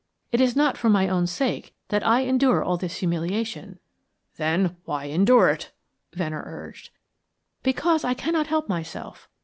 "It is not for my own sake that I endure all this humiliation." "Then, why endure it?" Venner urged. "Because I cannot help myself.